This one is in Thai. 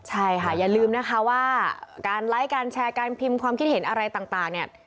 ใช่ค่ะอย่าลืมนะคะว่าการไลค์การแชร์การพิมพ์ความคิดเห็นอะไรต่างเนี่ย